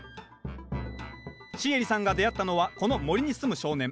シエリさんが出会ったのはこの森に住む少年トットさん。